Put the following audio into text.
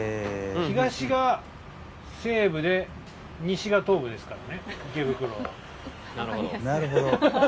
東が西武で、西が東武ですからね池袋は。